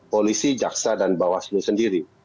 polisi jaksa dan bawaslu sendiri